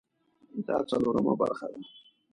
دا څلورمه برخه ده